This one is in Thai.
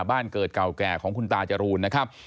บ้านเกิดเก่าแก่ของคุณตาจรูนนะครับ